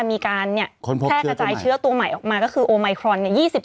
มีการแพร่กระจายเชื้อตัวใหม่ออกมาก็คือโอไมครอน